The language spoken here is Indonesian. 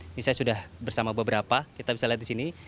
ini saya sudah bersama beberapa kita bisa lihat di sini